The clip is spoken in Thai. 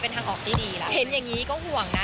เป็นทางออกที่ดีล่ะเห็นอย่างนี้ก็ห่วงนะ